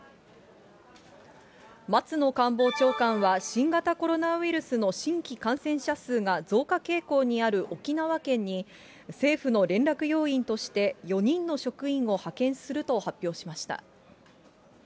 松野官房長官は、新型コロナウイルスの新規感染者数が増加傾向にある沖縄県に、政府の連絡要員として４人の職員を派遣すると発表しました。